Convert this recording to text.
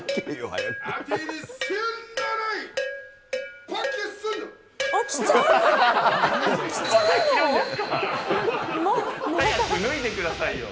早く脱いでくださいよ。